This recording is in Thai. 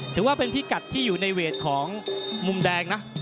ถือว่าเป็นพิกัดที่อยู่ในเวทของมุมแดงนะ